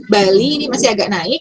bali ini masih agak naik